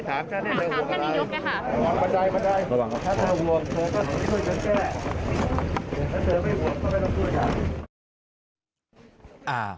ถ้าเจ้าห่วงเจ้าก็ช่วยกันแก้ถ้าเจ้าไม่ห่วงก็ไม่ต้องช่วยค่ะ